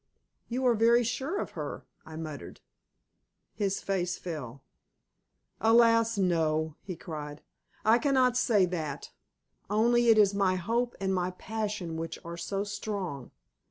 "You are very sure of her," I murmured. His face fell. "Alas! no," he cried, "I cannot say that; only it is my hope and my passion which are so strong.